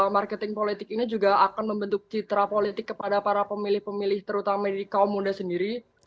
marketing politik ini juga akan membentuk citra politik kepada para pemilih pemilih terutama di kaum muda sendiri